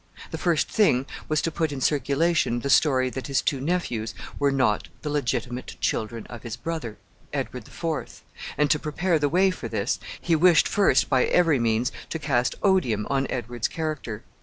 The first thing was to put in circulation the story that his two nephews were not the legitimate children of his brother, Edward the Fourth, and to prepare the way for this, he wished first, by every means, to cast odium on Edward's character.